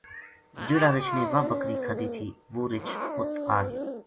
جہڑا رِچھ نے واہ بکری کھادی تھی وہ رِچھ اُت آگیو۔